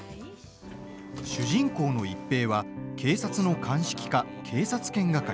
主人公の一平は警察の鑑識課、警察犬係。